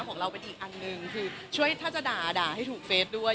ของเราเป็นอีกอันหนึ่งคือช่วยถ้าจะด่าด่าให้ถูกเฟสด้วย